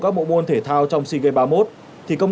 rất thân thiện